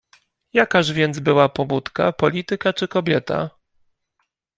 "Jakaż więc była pobudka: polityka czy kobieta?"